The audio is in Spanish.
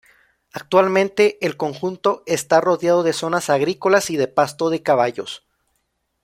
Actualmente, el conjunto está rodeado de zonas agrícolas y de pasto de caballos.